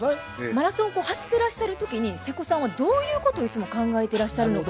マラソンこう走ってらっしゃる時に瀬古さんはどういうことをいつも考えてらっしゃるのかなっていうのを。